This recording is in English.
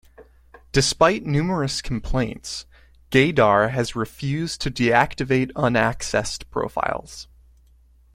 Despite numerous complaints, Gaydar has refused to deactivate unaccessed profiles.